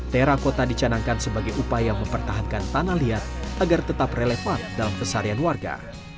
terakota dicanangkan sebagai upaya mempertahankan tanah liat agar tetap relevan dalam kesarian warga